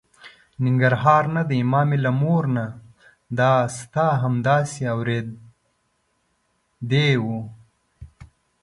ننګرهار نه دی، ما مې له مور نه دا ستا همداسې اورېدې وه.